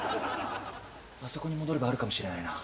あそこに戻ればあるかもしれないな。